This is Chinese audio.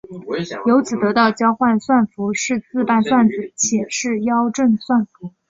由此得到交换算符是自伴算子且是幺正算符。